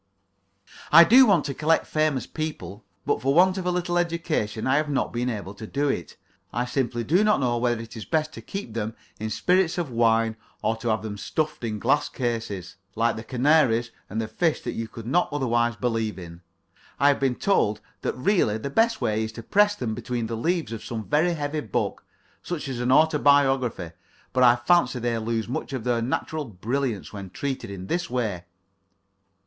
I do want to collect famous people, but for want of a little education I have not been able to do it. I simply do not know whether it is best to keep them in spirits of wine, or to have them stuffed in glass cases like the canaries and the fish that you could not otherwise believe in. I have been told that really the best way is to press them between the leaves of some very heavy book, such as an autobiography, but I fancy they lose much of their natural brilliance when treated in this way.